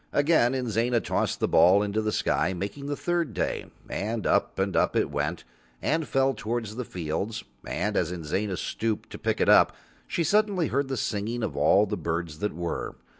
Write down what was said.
Again Inzana tossed the ball into the sky, making the third day, and up and up it went and fell towards the fields, and as Inzana stooped to pick it up she suddenly heard the singing of all the birds that were.